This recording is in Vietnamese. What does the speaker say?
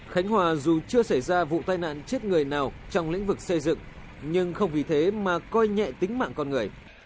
khánh hòa dù chưa xảy ra vụ tai nạn chết người nào trong lĩnh vực xây dựng nhưng không vì thế mà coi nhẹ tính mạng con người